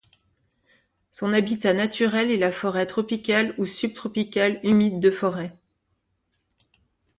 Son habitat naturel est la forêt tropicale ou subtropicale humide de forêt.